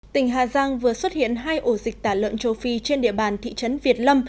tỉnh hà giang vừa xuất hiện hai ổ dịch tả lợn châu phi trên địa bàn thị trấn việt lâm